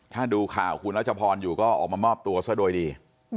ถ้าดูข่าวคุณรัชพรอยู่ก็ออกมามอบตัวซะโดยดี